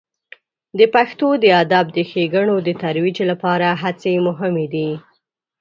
د پښتو د ادب د ښیګڼو د ترویج لپاره هڅې مهمې دي.